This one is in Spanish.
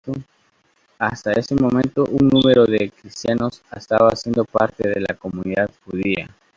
Hasta este momento un número de cristianos estaba siendo parte de la comunidad judía.